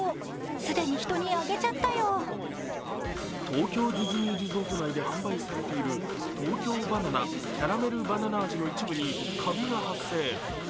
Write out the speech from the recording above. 東京ディズニーリゾート内で販売されている東京ばな奈キャラメルバナナ味の一部にかびが発生。